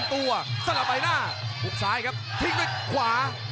ทิ้งด้วยขวา